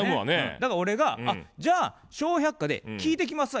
だから俺が「あっじゃあ『笑百科』で聞いてきますわ」